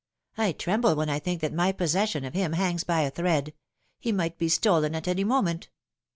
I tremble when I think that my possession of him hangs by a thread. He might be stolen at any moment."